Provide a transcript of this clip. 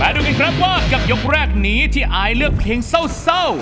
ดูกันครับว่ากับยกแรกนี้ที่อายเลือกเพลงเศร้า